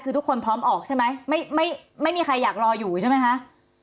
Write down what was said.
คือทุกคนพร้อมออกใช่ไหมไม่ไม่มีใครอยากรออยู่ใช่ไหมคะ